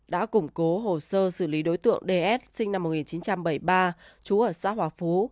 đã củng cố hồ sơ xử lý đối tượng ds sinh năm một nghìn chín trăm bảy mươi ba trú ở xã hòa phú